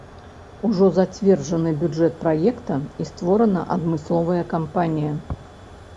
Ужо зацверджаны бюджэт праекта і створана адмысловая кампанія.